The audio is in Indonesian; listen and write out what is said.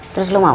terus lu mau